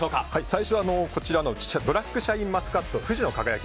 最初はこちらのブラックシャインマスカット